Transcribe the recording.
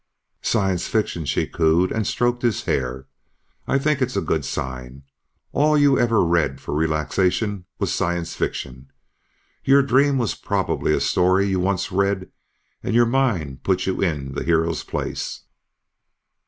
"Science fiction," she cooed and stroked his hair. "I think it's a good sign. All you ever read, for relaxation, was science fiction. Your dream was probably a story you once read and your mind put you in the hero's place."